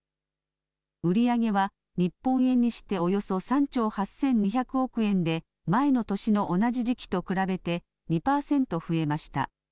売り上げは日本円にしておよそ３兆８２００億円で前の年の同じ時期と比べて２パーセント増えました。